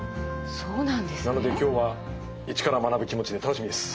なので今日は一から学ぶ気持ちで楽しみです。